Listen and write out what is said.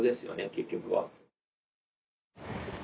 結局は。